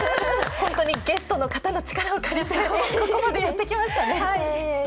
本当にゲストの方の力を借りてここまでやってきましたね。